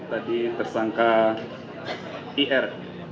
tadi tersangka ir